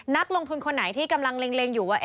นักลงทุนคนไหนที่กำลังเล็งอยู่ว่า